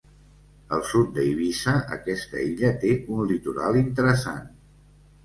Al sud d’Eivissa, aquesta illa té un litoral interessant.